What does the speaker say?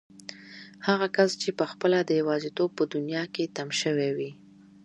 هغه کس چې پخپله د يوازيتوب په دنيا کې تم شوی وي.